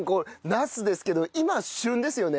ナスですけど今旬ですよね？